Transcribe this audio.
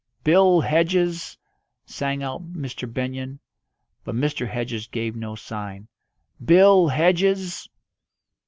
"Bill Hedges!" sang out Mr. Benyon; but Mr. Hedges gave no sign. "Bill Hedges!"